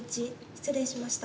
失礼しました。